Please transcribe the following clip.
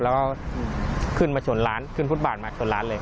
แล้วก็ขึ้นมาชนร้านขึ้นฟุตบาทมาชนร้านเลย